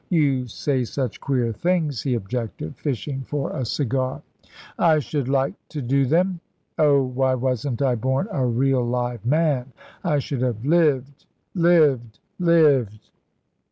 "You say such queer things," he objected, fishing for a cigar. "I should like to do them. Oh, why wasn't I born a real live man. I should have lived lived lived."